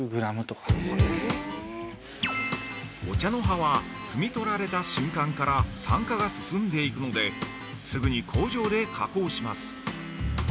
◆お茶の葉は摘みとられた瞬間から酸化が進んでいくのですぐに工場で加工します。